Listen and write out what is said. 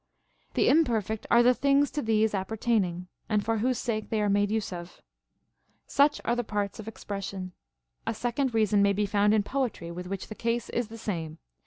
The imperfect are the things to these apper taining, and for whose sake they are made use of. Such are the parts of expression. A second reason may be found in poetry, with which the case is the same.